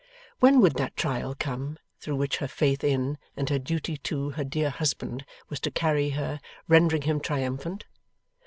When would that trial come, through which her faith in, and her duty to, her dear husband, was to carry her, rendering him triumphant?